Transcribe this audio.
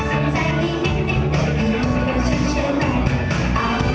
เต็มไหลที่รับเรือล้าง